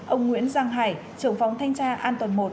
hai ông nguyễn giang hải trưởng phóng thanh tra an toàn một